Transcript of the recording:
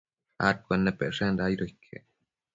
adcuennepecshenda aido iquec